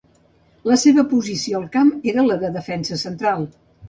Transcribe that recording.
La seva posició al camp era la de defensa central.